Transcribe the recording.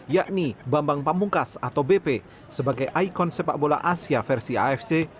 yakni bambang pamungkas atau bp sebagai ikon sepak bola asia versi afc